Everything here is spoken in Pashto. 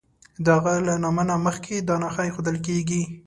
د هغه له نامه نه مخکې دا نښه ایښودل کیږي.